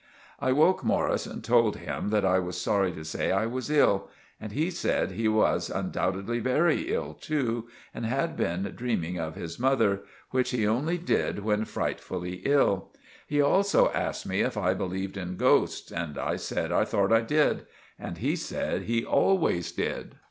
I woke Morris and told him that I was sorry to say I was ill; and he said he was undoubtedly very ill too and had been dreeming of his mother, which he only did when frightfully ill. He also asked me if I believed in ghosts and I said I thort I did. And he said he always did.